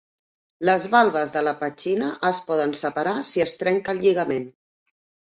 Les valves de la petxina es poden separar si es trenca el lligament.